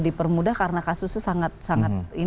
dipermudah karena kasusnya sangat